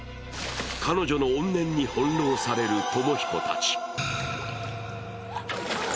彼女の怨念に翻弄される友彦たち。